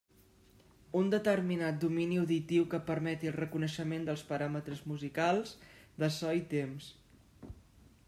Un determinat domini auditiu que permeti el reconeixement dels paràmetres musicals de so i temps.